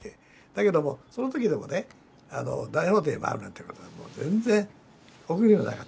だけどもその時でもね大法廷に回るなんてことは全然おくびにもなかったからね。